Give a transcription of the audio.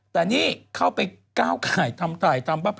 แต่นี่เข้าไปก้าวไข่ทำถ่ายธรรม